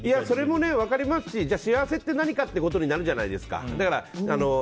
それも分かりますしじゃあ幸せって何かってことになるじゃないですか。